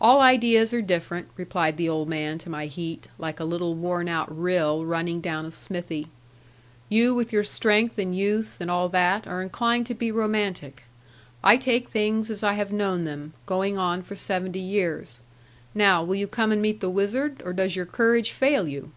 'All ideas are different,' replied the old man to my heat, like a little worn out rill running down a smithy; 'you with your strength and youth, and all that, are inclined to be romantic. I take things as I have known them, going on for seventy years. Now will you come and meet the wizard, or does your courage fail you?'